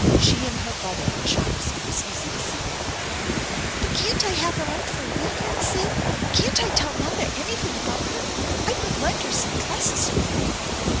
She and her brother were chums ; it was easy to see that. " But can't I have her out for a week end, Sid ? Can't I tell mother anything about her ? I could lend her some dresses, you know."